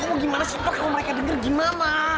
kamu gimana sih bakal mereka denger gimana